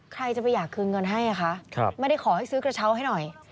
ใครจะไปอยากคืนเงินให้คะไม่ได้ขอให้ซื้อกระเช้าให้หน่อย